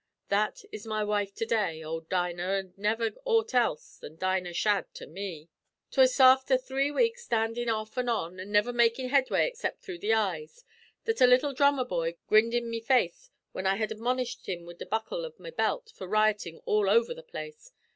That is my wife to day ould Dinah, an' never aught else than Dinah Shadd to me. "'Twas after three weeks standin' off an' on, an' niver makin' headway excipt through the eyes, that a little drummer boy grinned in me face whin I had admonished him wid the buckle av my belt for riotin' all over the place.